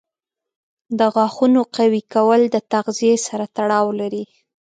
د غاښونو قوي کول د تغذیې سره تړاو لري.